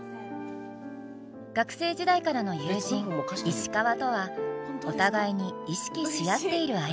学生時代からの友人石川とはお互いに意識し合っている間柄。